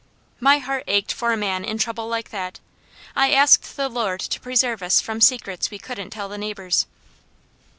My heart ached for a man in trouble like that. I asked the Lord to preserve us from secrets we couldn't tell the neighbours!